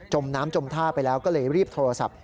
มน้ำจมท่าไปแล้วก็เลยรีบโทรศัพท์